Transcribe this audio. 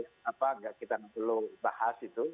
kenapa kita belum bahas itu